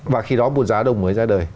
và khi đó một giá đồng mới ra đời